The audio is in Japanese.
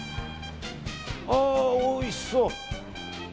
ああ、おいしそう。